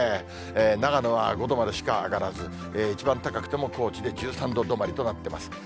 長野は５度までしか上がらず、一番高くても高知で１３度止まりとなってます。